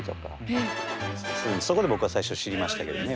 そこで僕は最初知りましたけどね。